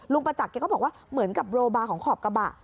ประจักษ์แกก็บอกว่าเหมือนกับโรบาร์ของขอบกระบะ